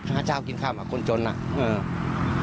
พ้าเช้ากินข้าวขับคุณผู้ว่านั้น